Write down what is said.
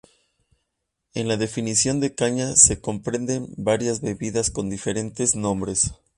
En la definición de caña se comprenden varias bebidas con diferentes nombres.